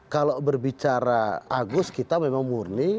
kalau berbicara agus kita memang murni